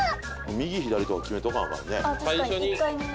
右左とか決めとかなアカンね。